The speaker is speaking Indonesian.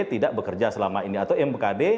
tidak bekerja selama ini atau mkd